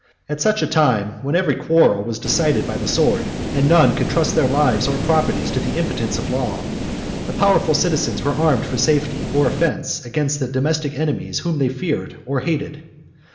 At such a time, when every quarrel was decided by the sword, and none could trust their lives or properties to the impotence of law, the powerful citizens were armed for safety, or offence, against the domestic enemies whom they feared or hated.